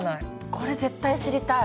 これ絶対知りたい。